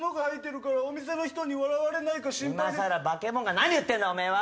今更バケモンが何言ってんだお前は！